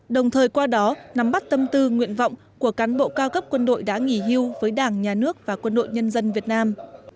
đồng thời qua đó nắm bắt tâm tư nguyện vọng của cán bộ cao cấp quân đội đã nghỉ hưu với đảng nhà nước và quân đội nhân dân việt nam